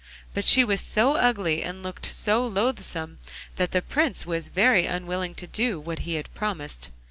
But she was so ugly and looked so loathsome that the Prince was very unwilling to do what he had promised.